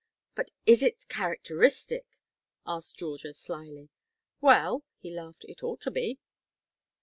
"But is it characteristic?" asked Georgia, slyly. "Well," he laughed, "it ought to be."